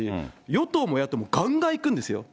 与党も野党もがんがんいくんですよ。